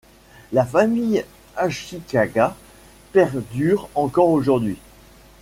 La famille Ashikaga perdure encore aujourd’hui.